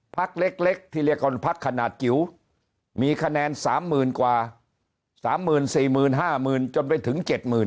พักเล็กที่เรียกว่าพักขนาดจิ๋วมีคะแนน๓๐๐๐กว่า๓๔๕๐๐๐จนไปถึง๗๐๐